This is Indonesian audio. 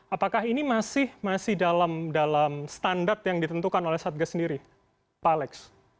apakah ini masih dalam standar yang ditentukan oleh satgas sendiri pak alex